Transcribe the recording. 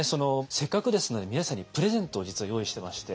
せっかくですので皆さんにプレゼントを実は用意してまして。